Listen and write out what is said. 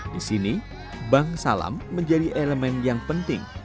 di sini bank salam menjadi elemen yang penting